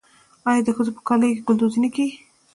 آیا د ښځو په کالیو کې ګلدوزي نه کیږي؟